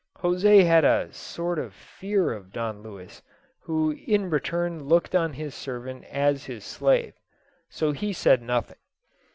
José had a sort of fear of Don Luis who in return looked on his servant as his slave so he said nothing.